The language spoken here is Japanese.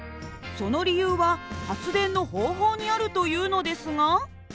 その理由は発電の方法にあるというのですが。